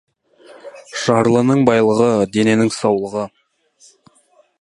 Жарлының байлығы — денінің саулығы.